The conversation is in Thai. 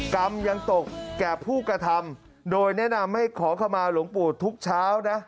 กรรมยังตกแก่ผู้กระทำโดยแนะนำให้ขอเข้ามาหลวงปู่ทุกเช้านะ